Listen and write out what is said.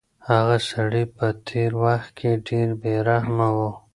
هغه سړی په تېر وخت کې ډېر بې رحمه و.